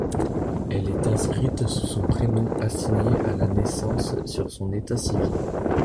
Elle est inscrite sous son prénom assigné à la naissance sur son état civil.